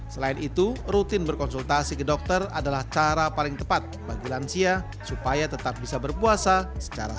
selain itu rutin berkonsultasi ke dokter adalah cara paling tepat bagi lansia supaya tetap bisa berpuasa